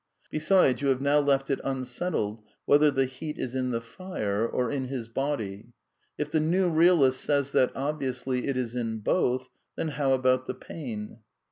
Besides, you have now left it unsettled whether the heat is in the fire or in his body. H the new realist says that, obviously, it is in both, then how about the pain